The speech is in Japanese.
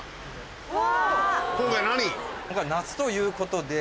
今回夏ということで。